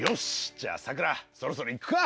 じゃあさくらそろそろ行くか。